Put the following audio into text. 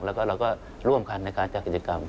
แล้วก็เราก็ร่วมกันในการจัดกิจกรรม